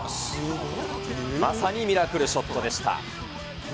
まさにミラクルショットでした。